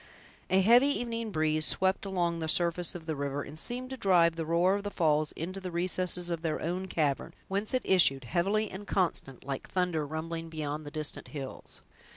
A heavy evening breeze swept along the surface of the river, and seemed to drive the roar of the falls into the recesses of their own cavern, whence it issued heavily and constant, like thunder rumbling beyond the distant hills.